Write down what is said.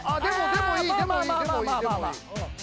でもいいでもいい。